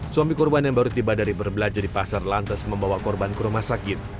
suami korban yang baru tiba dari berbelanja di pasar lantas membawa korban ke rumah sakit